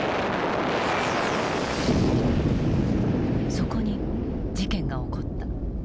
そこに事件が起こった。